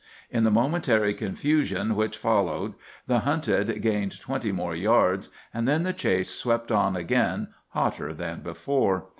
In the momentary confusion which followed the hunted gained twenty more yards, and then the chase swept on again hotter than before.